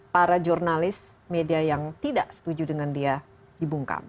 para jurnalis media yang tidak setuju dengan dia dibungkam